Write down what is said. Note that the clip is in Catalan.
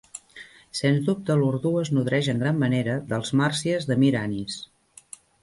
Sens dubte, l'urdú es nodreix en gran manera dels Marsias de Mir Anis.